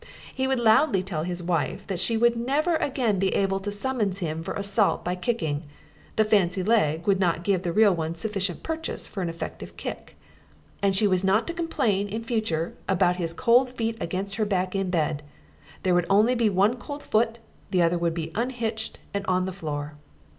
He would loudly tell his wife that she would never again be able to summons him for assault by kicking: the fancy leg would not give the real one sufficient purchase for an effective kick. And she was not to complain, in future, about his cold feet against her back in bed: there would be only one cold foot, the other would be unhitched and on the floor.